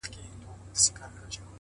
دا سپوږمۍ وينې،